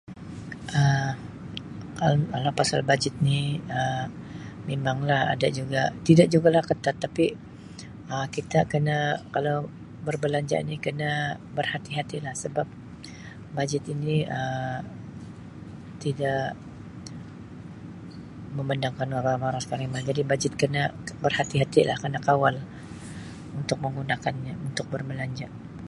Um Kal-Kalau pasal bajet ni Um mimanglah ada juga tidak jugalah ketat tapi Um kita kena kalau berbelanja ini kena berhati-hati lah sebab bajet ini Um tidak memandang [unintelligible] jadi bajet kena berhati-hatilah kena kawal untuk menggunakannya untuk berbelanja.